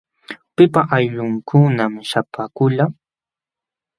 ¿Pipa aylllunkunam śhapaakulqa?